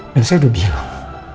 dan saya udah bilang